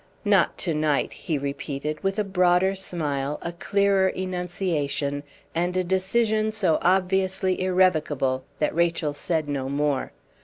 "Not to night," he repeated, with a broader smile, a clearer enunciation, and a decision so obviously irrevocable that Rachel said no more.